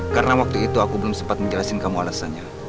karena waktu itu aku belum sempat menjelaskan kamu alasannya